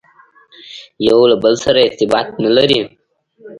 یو له بل سره ارتباط نه لري.